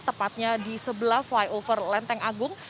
tepatnya di sebelah flyover lenteng agung